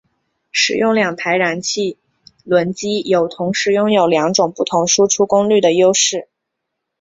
使用两台燃气轮机有同时拥有两种不同输出功率的优势。